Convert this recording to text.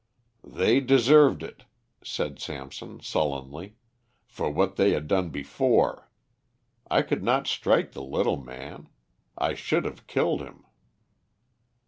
"They deserved it," said Samson, sullenly, "for what they had done before. I could not strike the little man. I should have killed him."